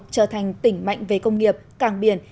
trở thành tỉnh mạnh về công nghiệp cảng biển